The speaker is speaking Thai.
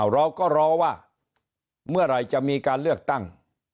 เราก็รอว่าเมื่อไหร่จะมีการเลือกตั้ง